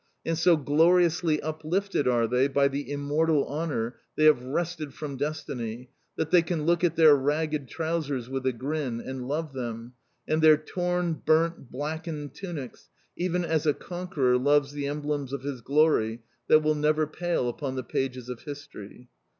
And so gloriously uplifted are they by the immortal honour they have wrested from destiny, that they can look at their ragged trousers with a grin, and love them, and their torn, burnt, blackened tunics, even as a conqueror loves the emblems of his glory that will never pale upon the pages of history.